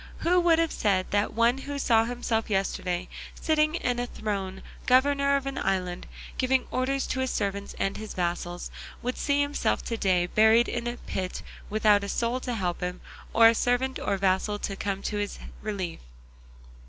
Who would have said that one who saw himself yesterday sitting on a throne, governor of an island, giving orders to his servants and his vassals, would see himself to day buried in a pit without a soul to help him, or servant or vassal to come to his relief?